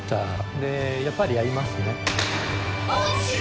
でやっぱり合いますね。